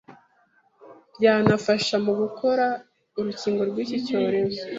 byanafasha mu gukora urukingo rw'iki cyorezo,